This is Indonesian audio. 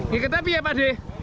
geket tapi ya pak de